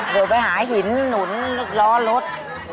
โดดไปหาหินหนุนรอรถ